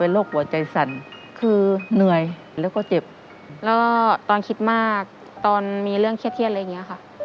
แล้วก็ตอนคิดมากตอนมีเรื่องเครียดเทียดอะไรอย่างนี้ค่ะ